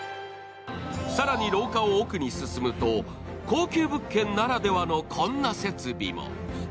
更に廊下を奥に進むと高級物件ならではのこんな設備も。